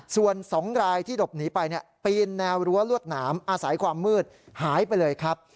ส่วน๒รายที่หลบหนีไปปีนแนวรั้วลวดหนามอาศัยความมืดหายไปเลยครับ